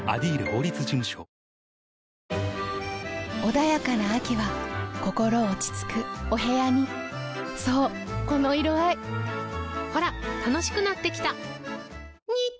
穏やかな秋は心落ち着くお部屋にそうこの色合いほら楽しくなってきた！